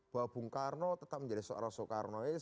bahwa bung karno tetap menjadi seorang soekarnois